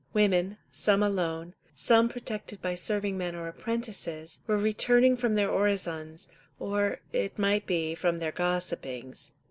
Women, some alone, some protected by serving men or apprentices, were returning from their orisons, or, it might be, from their gossipings.